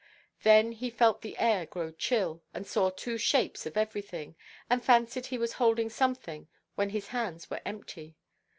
Then he felt the air grow chill, and saw two shapes of everything, and fancied he was holding something when his hands were empty.